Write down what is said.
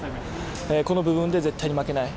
個の部分で絶対に負けない。